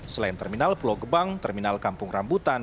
selain terminal pulau gebang terminal kampung rambutan